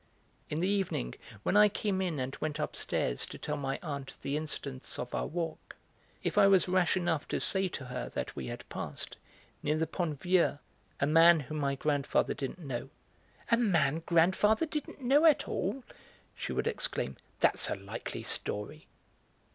In the evening, when I came in and went upstairs to tell my aunt the incidents of our walk, if I was rash enough to say to her that we had passed, near the Pont Vieux, a man whom my grandfather didn't know: "A man grandfather didn't know at all!" she would exclaim. "That's a likely story."